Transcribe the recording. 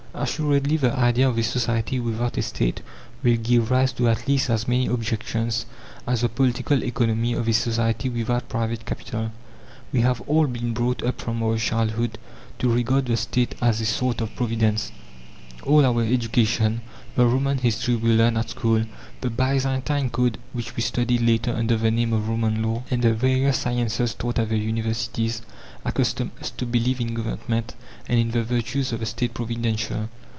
Assuredly the idea of a society without a State will give rise to at least as many objections as the political economy of a society without private capital. We have all been brought up from our childhood to regard the State as a sort of Providence; all our education, the Roman history we learned at school, the Byzantine code which we studied later under the name of Roman law, and the various sciences taught at the universities, accustom us to believe in Government and in the virtues of the State providential.